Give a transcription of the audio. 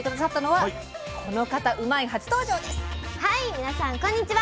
はい皆さんこんにちは。